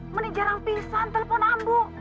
ini jarang pingsan telepon ambu